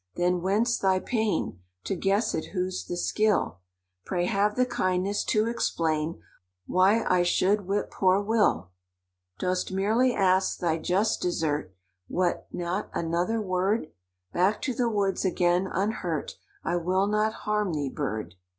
—Then, whence thy pain, To guess it who's the skill? Pray have the kindness to explain Why I should whip poor Will? "Dost merely ask thy just desert? What, not another word?— Back to the woods again, unhurt— I will not harm thee, bird!